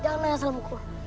jangan nanya sama meku